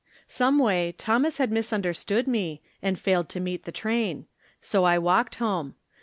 Someway Thomas had misunderstood me, and failed to meet the train ; so I walked home.